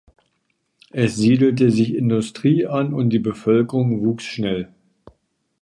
Es siedelte sich Industrie an und die Bevölkerung wuchs schnell.